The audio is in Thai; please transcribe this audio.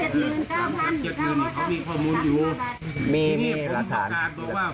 เพราะว่าหลวงพ่อบอกไม่คุยไม่คุยก็เดินจากวงไปเลยนะครับ